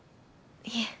いえ。